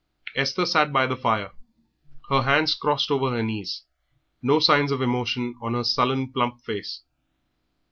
Esther sat by the fire, her hands crossed over her knees, no signs of emotion on her sullen, plump face.